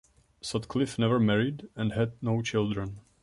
Sutcliff never married and had no children.